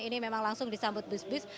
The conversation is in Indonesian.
ini memang langsung disambut bus bus